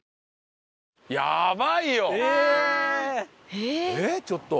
えーっちょっと。